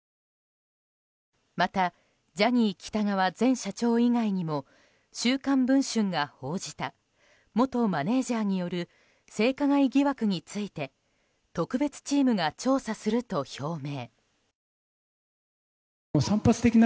またジャニー喜多川前社長以外にも「週刊文春」が報じた元マネジャーによる性加害疑惑について特別チームが調査すると表明。